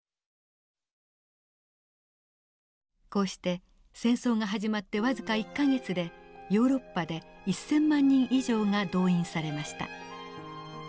こうして戦争が始まって僅か１か月でヨーロッパで１，０００万人以上が動員されました。